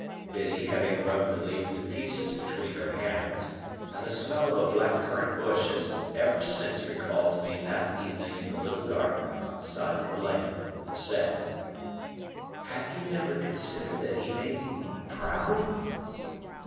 Biddy, having rubbed the leaf to pieces between her hands,—and the smell of a black currant bush has ever since recalled to me that evening in the little garden by the side of the lane,—said, "Have you never considered that he may be proud?"